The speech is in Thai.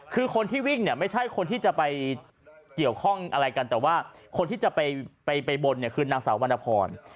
คือคนที่วิ่งเนี่ยไม่ใช่คนที่จะไปเกี่ยวข้องอะไรกันแต่ว่าคนที่จะไปบนเนี่ยคือนางสาววรรณพร